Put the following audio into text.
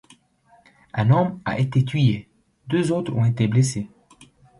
Un homme a été tué, deux autres ont été blessés.